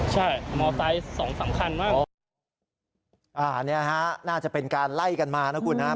ใช่มอไซค์สองสำคัญมากอ่าเนี่ยฮะน่าจะเป็นการไล่กันมานะคุณฮะ